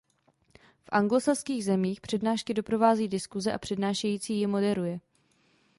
V anglosaských zemích přednášky doprovází diskuse a přednášející ji moderuje.